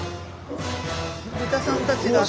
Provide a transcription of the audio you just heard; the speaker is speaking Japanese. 豚さんたちだ。